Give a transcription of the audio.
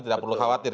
tidak perlu khawatir